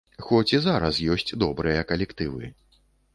Хоць і зараз ёсць добрыя калектывы.